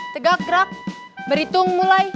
tegak gerak beritung mulai